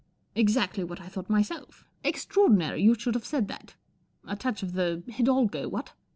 " Exactly what I thought myself. Extra¬ ordinary you should have said that. 4 touch of the hidalgo, what